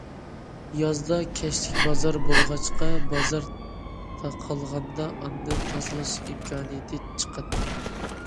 يازدا كەچلىك بازار بولغاچقا، بازار تاقالغاندا ئاندىن تازىلاش ئىمكانىيىتى چىقاتتى.